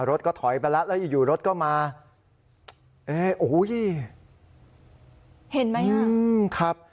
รถก็ถอยไปแล้วแล้วอยู่อยู่รถก็มาเอ๊ะโอ้โหเห็นไหมอ่ะครับ